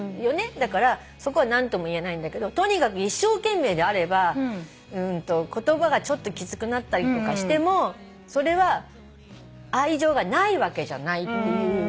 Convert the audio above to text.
だからそこは何とも言えないんだけどとにかく一生懸命であれば言葉がちょっときつくなったりとかしてもそれは愛情がないわけじゃないっていう。